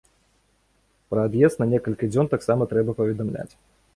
Пра ад'езд на некалькі дзён таксама трэба паведамляць.